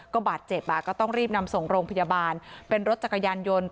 ก็บาดเจ็บก็ต้องรีบนำส่งโรงพยาบาลเป็นรถจักรยานยนต์